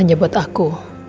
tapi juga buat aku